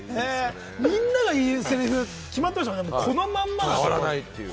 みんなが言うせりふが決まってましたもんね、このまんま。